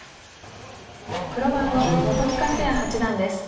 黒番の本木克弥八段です。